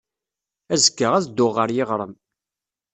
Azekka, ad dduɣ ɣer yiɣrem.